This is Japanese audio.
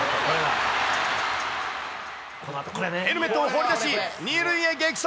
ヘルメットを放り出し、２塁へ激走。